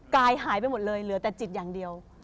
กายหายไปหมดเลยเหลือแต่จิตอย่างเดียว